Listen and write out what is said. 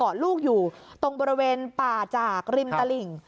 ลูกอยู่ตรงบริเวณป่าจากริมตลิ่ง